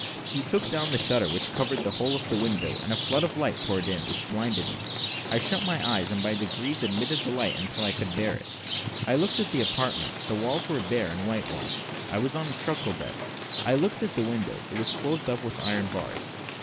He took down a shutter which covered the whole of the window, and a flood of light poured in, which blinded me. I shut my eyes, and by degrees admitted the light until I could bear it. I looked at the apartment: the walls were bare and white washed. I was on a truckle bed. I looked at the window it was closed up with iron bars.